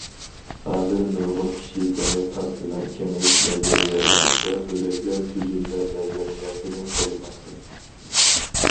ھازىر نۇرغۇن كىشى دېڭىز ئاستىنىڭ كېڭىيىش نەزەرىيەسى ۋە بۆلەكلەر تۈزۈلمە نەزەرىيەسىنى قوللىماقتا.